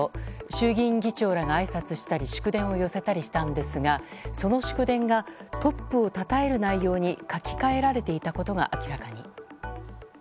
衆議院議長らがあいさつしたり祝電を寄せたりしたんですがその祝電がトップをたたえる内容に書き換えられていたことが明らかに。